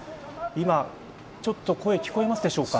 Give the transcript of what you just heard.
今、ちょっと声聞こえますでしょうか。